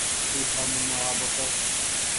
تو سآمو نآ آ ٻوکر۔